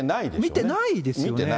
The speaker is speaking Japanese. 見てないですよね。